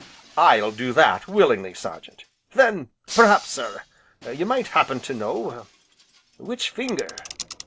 "I'll do that willingly, Sergeant." "Then p 'raps sir you might happen to know which finger?"